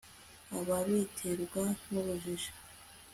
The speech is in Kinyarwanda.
ababiterwa n'ubujiji